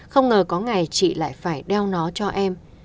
không ngờ có ngày chị lại phải đeo nó cho em